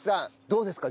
どうですか？